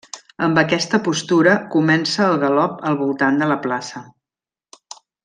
Amb aquesta postura comença el galop al voltant de la plaça.